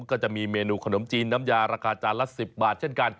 ก็จะมีเมนูขนมจีนน้ำยาราคาจานละ๑๐บาทเช่นกัน